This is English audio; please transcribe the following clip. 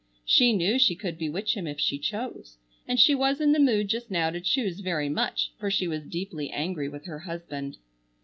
She knew she could bewitch him if she chose, and she was in the mood just now to choose very much, for she was deeply angry with her husband.